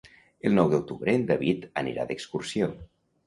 El nou d'octubre en David anirà d'excursió.